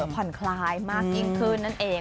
ผ่อนคลายมากยิ่งขึ้นนั่นเอง